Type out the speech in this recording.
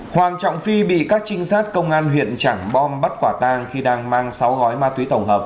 hoàng trọng phi bị các trinh sát công an huyện trảng bom bắt quả tang khi đang mang sáu gói ma túy tổng hợp